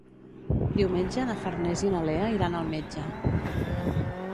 Diumenge na Farners i na Lea iran al metge.